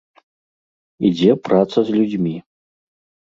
Ідзе праца з людзьмі.